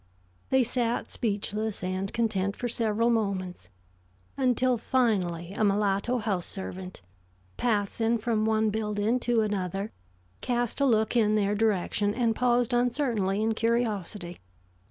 They sat speechless and content for several moments, until finally a mulatto house servant, passing from one building to another, cast a look in their direction, and paused uncertainly in curiosity.